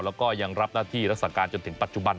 แล้วก็ยังรับหน้าที่รักษาการจนถึงปัจจุบัน